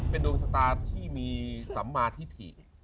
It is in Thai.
เป็นดวงชะตาที่มีสัมมาธิ